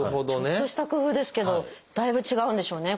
ちょっとした工夫ですけどだいぶ違うんでしょうね